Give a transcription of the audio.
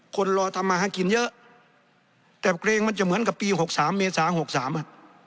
คนรอทำมหากินเยอะแต่กลรวมมันจะเหมือนกับปี๖๓เมษา๖๓อ่ะ